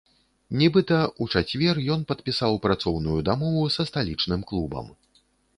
Нібыта, у чацвер ён падпісаў працоўную дамову са сталічным клубам.